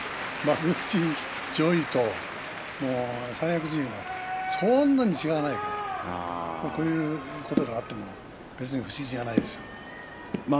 ただ力は幕内上位と三役陣はそんなに違わないからこういうことがあっても別に不思議じゃないですよ。